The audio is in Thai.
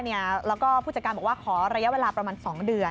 แล้วก็ผู้จัดการบอกว่าขอระยะเวลาประมาณ๒เดือน